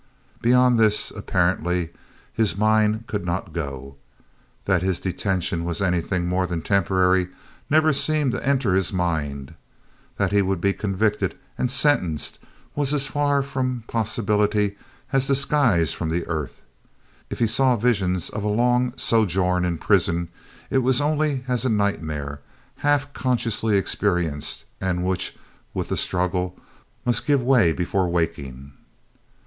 Beyond this, apparently, his mind could not go. That his detention was anything more than temporary never seemed to enter his mind. That he would be convicted and sentenced was as far from possibility as the skies from the earth. If he saw visions of a long sojourn in prison, it was only as a nightmare half consciously experienced and which with the struggle must give way before the waking.